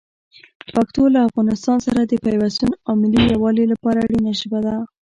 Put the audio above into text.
پښتو له افغانانو سره د پیوستون او ملي یووالي لپاره اړینه ژبه ده.